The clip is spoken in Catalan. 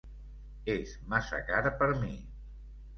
Es massa car per mi.